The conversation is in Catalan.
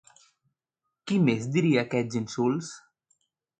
Qui més diria aquests insults?